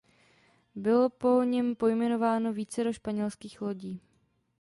Bylo po něm pojmenováno vícero španělských lodí.